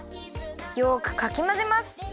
よくかきまぜます。